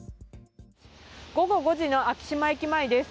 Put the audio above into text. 午後５時の昭島駅前です。